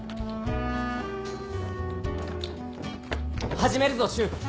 始めるぞ俊！